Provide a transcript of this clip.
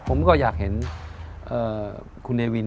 ผมก็อยากเห็นคุณเนวิน